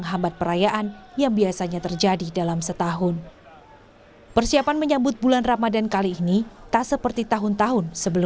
pihak berunang palestina melaporkan serangan udara militer israel